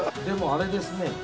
でもあれですね。